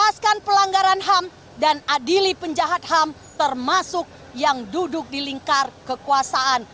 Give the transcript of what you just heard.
menjelaskan pelanggaran ham dan adili penjahat ham termasuk yang duduk di lingkar kekuasaan